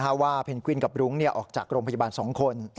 เพราะว่าเพนกวินกับรุ้งออกจากโรงพยาบาล๒คน